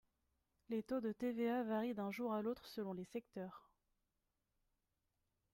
Les taux de TVA varient d’un jour à l’autre selon les secteurs.